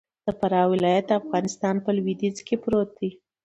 د فراه ولايت د افغانستان په لویدیځ کی پروت دې.